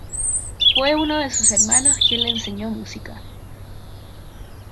Fue uno de sus hermanos quien le enseñó música.